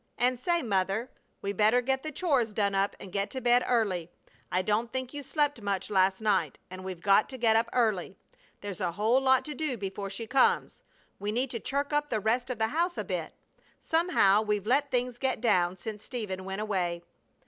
And say, Mother, we better get the chores done up and get to bed early. I don't think you slept much last night, and we've got to get up early. There's a whole lot to do before she comes. We need to chirk up the rest of the house a bit. Somehow we've let things get down since Stephen went away."